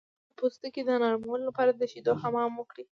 د بدن د پوستکي د نرمولو لپاره د شیدو حمام وکړئ